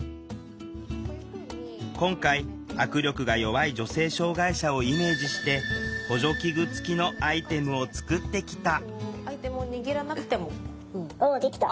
今回握力が弱い女性障害者をイメージして補助器具付きのアイテムを作ってきたおできた。